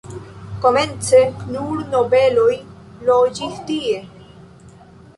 Komence nur nobeloj loĝis tie.